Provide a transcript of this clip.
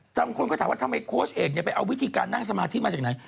จำคนก็ถามว่าทำไมโค้ชเอกไปเอาวิธีการนั่งสมาธิมาจากไหน